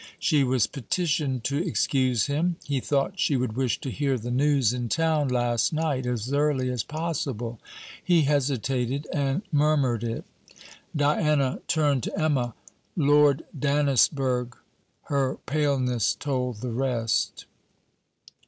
She was petitioned to excuse him; he thought she would wish to hear the news in town last night as early as possible; he hesitated and murmured it. Diana turned to Emma: 'Lord Dannisburgh!' her paleness told the rest.